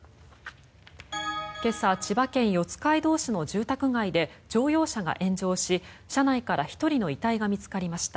今朝、千葉県四街道市の住宅街で乗用車が炎上し車内から１人の遺体が見つかりました。